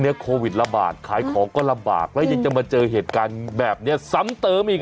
แล้วจะมาเจอเหตุการณ์แบบนี้ซ้ำเติมอีก